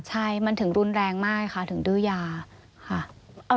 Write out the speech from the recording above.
ใช่มันถึงรุนแรงมากค่ะถึงดื้อยาค่ะ